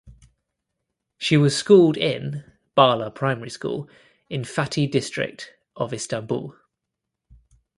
She was schooled in (Bala Primary School) in Fatih district of Istanbul.